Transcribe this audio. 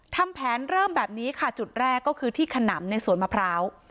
ทำแผนเริ่มแบบนี้ค่ะจุดแรกก็คือที่ขนำในสวนมะพร้าว